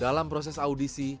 dalam proses audisi